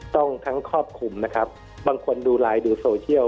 ต้องทั้งครอบคลุมบางคนดูไลน์ดูโซเชียล